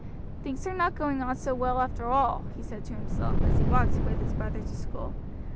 "Things are not going on so well after all," he said to himself as he walked with his brother to school.